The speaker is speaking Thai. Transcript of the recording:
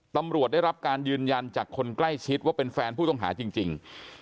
ตำรวจได้รับการยืนยันจากคนใกล้ชิดว่าเป็นแฟนผู้ต้องหาจริง